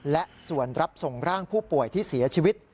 และส่วนรับส่งร่างผู้ป่วยที่เสียชีวิต